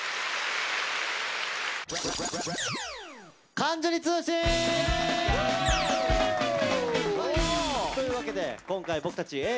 「関ジュニ通信」！というわけで今回僕たちＡぇ！